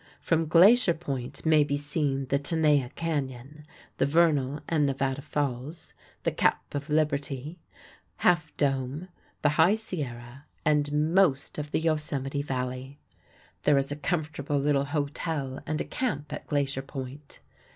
From Glacier Point may be seen the Tenaya Canyon, the Vernal and Nevada Falls, the Cap of Liberty, Half Dome, the High Sierra, and most of the Yosemite Valley. There is a comfortable little hotel and a camp at Glacier Point.